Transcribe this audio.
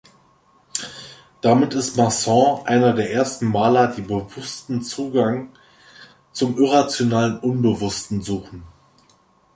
Damit ist Masson einer der ersten Maler, die bewussten Zugang zum Irrationalen, Unbewussten suchen.